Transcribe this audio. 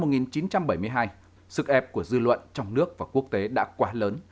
năm một nghìn chín trăm bảy mươi hai sức ép của dư luận trong nước và quốc tế đã quá lớn